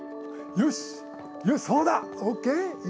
よし！